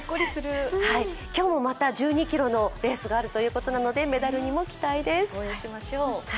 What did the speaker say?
今日もまた１２ｋｍのレースがあるということなので、メダルにも期待です。